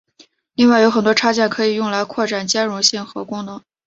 另外有很多插件可以用来扩展兼容性和功能。